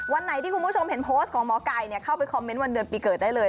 วันไหนที่คุณผู้ชมเห็นโพสต์ของหมอไก่เข้าไปคอมเมนต์วันเดือนปีเกิดได้เลย